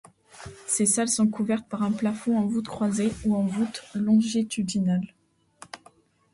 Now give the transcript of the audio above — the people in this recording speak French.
Ces salles sont couvertes par un plafond en voûte croisée ou en voûte longitudinale.